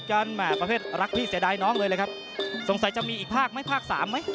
แหม่ประเภทรักพี่เสียดายน้องเลยเลยครับสงสัยจะมีอีกภาคไหมภาคสามไหม